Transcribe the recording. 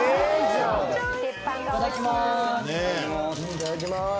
いただきます。